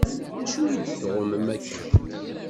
D acu i d-tuɣem akka?